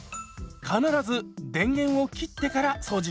必ず電源を切ってから掃除しましょう。